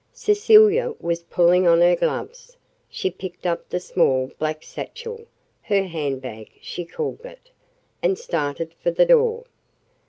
Cecilia was pulling on her gloves. She picked up the small black satchel (her hand bag, she called it), and started for the door.